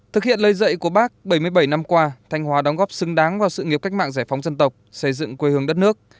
thực hiện lời dạy của bác bảy mươi bảy năm qua thanh hóa đóng góp xứng đáng vào sự nghiệp cách mạng giải phóng dân tộc xây dựng quê hương đất nước